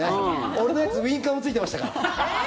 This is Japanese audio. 俺のやつ、ウィンカーもついてましたから。